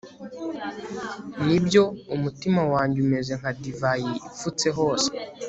ni byo, umutima wanjye umeze nka divayi ipfutse hose